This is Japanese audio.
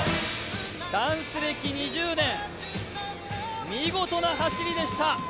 ダンス歴２０年、見事な走りでした。